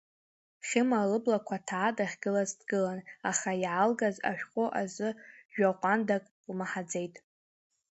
Хьыма лыблақәа ҭаа дахьгылац дгылан, аха иаалгаз ашәҟәы азы жәаҟәандак лмаҳаӡеит.